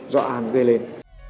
do an dê lên